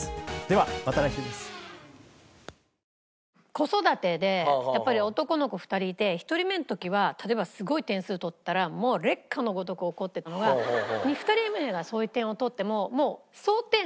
子育てでやっぱり男の子２人いて１人目の時は例えばすごい点数取ったらもう烈火のごとく怒ってたのが２人目がそういう点を取ってももう想定内。